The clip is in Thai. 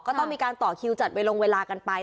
ก็ต้องมีการต่อคิวจัดไปลงเวลากันไป